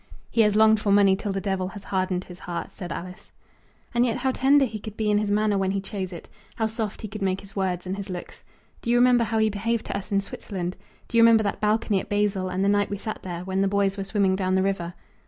"He has longed for money till the Devil has hardened his heart," said Alice. "And yet how tender he could be in his manner when he chose it; how soft he could make his words and his looks! Do you remember how he behaved to us in Switzerland? Do you remember that balcony at Basle, and the night we sat there, when the boys were swimming down the river?"